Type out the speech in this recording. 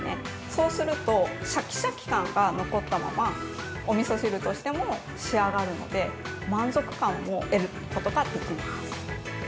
そうすると、シャキシャキ感が残ったまま、おみそ汁としても仕上がるので、満足感も得ることができます。